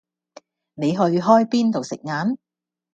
你去開邊度食晏